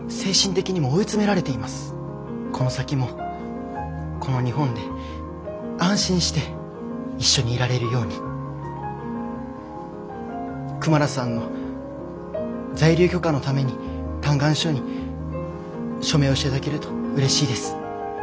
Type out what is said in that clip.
この先もこの日本で安心して一緒にいられるようにクマラさんの在留許可のために嘆願書に署名をしていただけるとうれしいです。